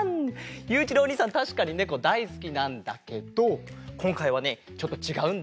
ゆういちろうおにいさんたしかにネコだいすきなんだけどこんかいはねちょっとちがうんだ。